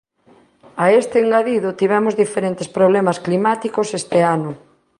A este engadido tivemos diferentes problemas climáticos este ano.